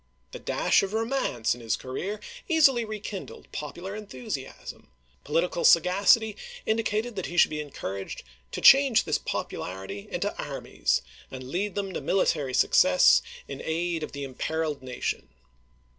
The dash of romance in his career easily rekindled popular enthusiasm ; polit ical sagacity indicated that he should be encouraged to change this popularity into armies, and lead them to military success in aid of the imperiled nation.